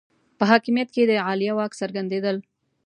په حاکمیت کې د عالیه واک څرګندېدل